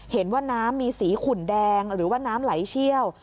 เห็นว่าน้ำมีสีขุ่นแดงหรือว่าน้ำไหลเชี่ยว